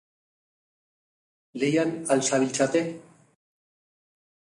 Lehian al zabiltzate?